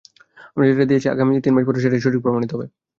আমরা যেটা দিয়েছি, আগামী তিন মাস পরে সেটাই সঠিক প্রমাণিত হবে।